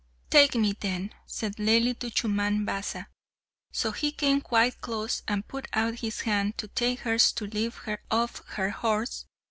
"Take me, then," said Laili to Chumman Basa; so he came quite close and put out his hand to take hers to lift her off her horse.